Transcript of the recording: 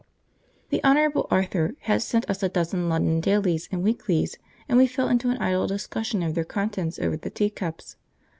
The Honourable Arthur had sent us a dozen London dailies and weeklies, and we fell into an idle discussion of their contents over the teacups.